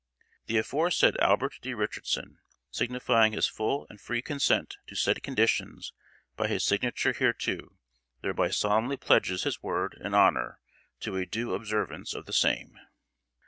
The aforesaid Albert D. Richardson signifying his full and free consent to said conditions by his signature hereto, thereby solemnly pledges his word and honor to a due observance of the same.